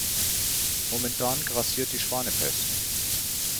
Momentan grassiert die Schweinepest.